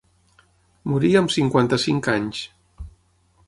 Morí amb cinquanta-cinc anys.